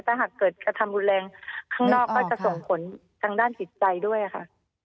ถ้าหากเกิดกระทำรุนแรงข้างนอกก็จะส่งผลทางด้านจิตใจด้วยค่ะ